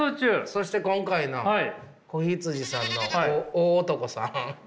そして今回の子羊さんの大男さん。